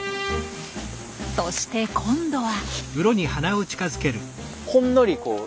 そして今度は。